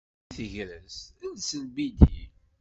Di tegrest, els ibidi.